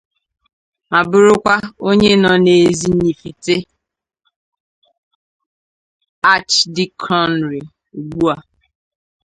ma bụrụkwa onye nọ 'Ezinifite Archdeaconry' ugbua